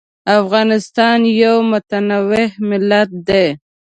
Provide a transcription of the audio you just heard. افغانستان یو متنوع ملت دی.